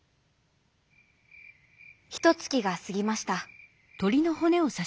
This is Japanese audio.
ひとつきがすぎました。